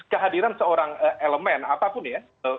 kehadiran seorang elemen apapun ya